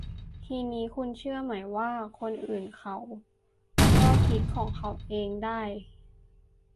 ทีนี้คุณเชื่อไหมว่า คนอื่นเขาก็คิดของเขาเองได้